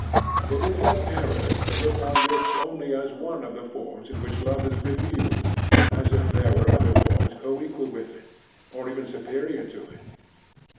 It is an error to look on this as only one of the forms in which love is revealed, as if there were other forms coequal with it, or even superior to it.